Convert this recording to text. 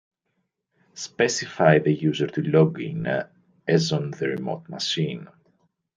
Specify the user to log in as on the remote machine.